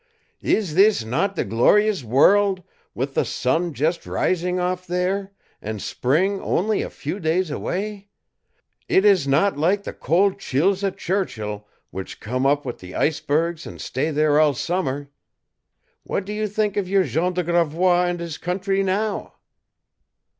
"Is this not the glorious world, with the sun just rising off there, and spring only a few days away? It is not like the cold chills at Churchill, which come up with the icebergs and stay there all summer! What do you think of your Jean de Gravois and his country now?"